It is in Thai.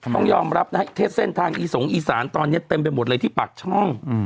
ต้องยอมรับนะฮะเทศเส้นทางอีสงอีสานตอนนี้เต็มไปหมดเลยที่ปากช่อง